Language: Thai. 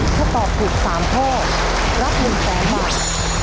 ถ้าตอบถูก๓ข้อรับ๑๐๐๐๐บาท